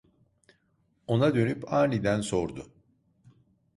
Ona dönüp aniden sordu: